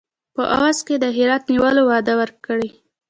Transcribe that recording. په عوض کې د هرات نیولو وعده ورکړي.